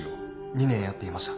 ２年やっていました。